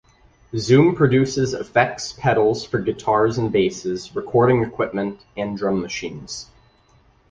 Zoom produces effects pedals for guitars and basses, recording equipment, and drum machines.